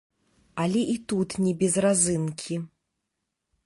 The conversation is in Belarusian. Але і тут не без разынкі.